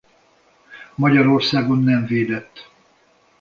Magyarországon nem védett